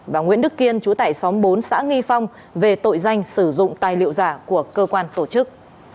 và nguyễn đức kiên chú tại xóm bốn xã nghi phong về tội danh sử dụng tài liệu giả của cơ quan tổ chức